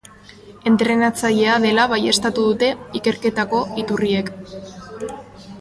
Entrenatzailea dela baieztatu dute ikerketako iturriek.